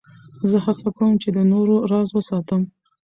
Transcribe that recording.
زه هڅه کوم، چي د نورو راز وساتم.